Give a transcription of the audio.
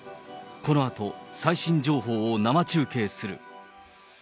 このあと、最新情報を生中継する。